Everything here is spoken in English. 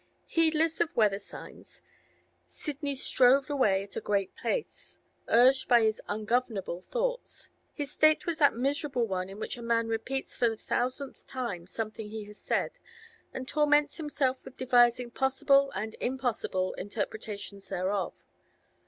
Heedless of weather signs, Sidney strode away at a great pace, urged by his ungovernable thoughts. His state was that miserable one in which a man repeats for the thousandth time something he has said, and torments himself with devising possible and impossible interpretations thereof.